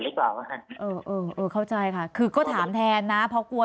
หรือเปล่านะฮะเออเออเข้าใจค่ะคือก็ถามแทนนะเพราะกลัว